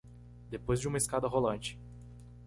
Depois de uma escada rolante